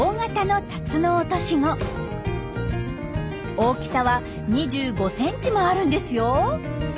大きさは２５センチもあるんですよ。